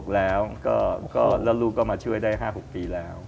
แล้วลูกก็มาช่วยได้๕๖ปีแล้ว